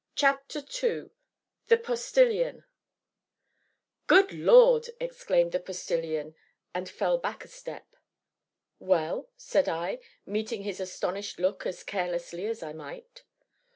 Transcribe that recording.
CHAPTER II THE POSTILION "Good Lord!" exclaimed the Postilion, and fell back a step. "Well?" said I, meeting his astonished look as carelessly as I might.